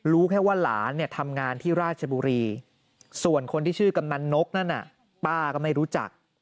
รู้แค่ว่าหลานเนี่ยทำงานที่ราชบุรีส่วนคนที่ชื่อกำนันนกนั่นน่ะป้าก็ไม่รู้จัก